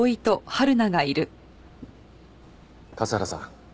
笠原さん